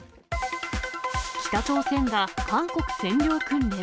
北朝鮮が韓国占領訓練。